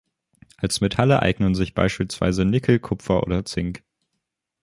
Als Metalle eignen sich beispielsweise Nickel, Kupfer oder Zink.